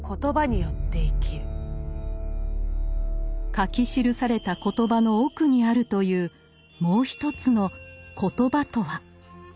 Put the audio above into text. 書き記された「言葉」の奥にあるというもう一つの「コトバ」とは？